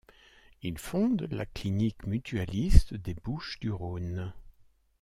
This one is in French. Il fonde la clinique mutualiste des Bouches-du-Rhône.